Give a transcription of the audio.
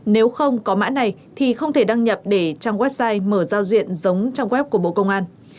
nếu không có mã này thì không thể đăng nhập để trang website mở giao diện giống trong web của bộ công an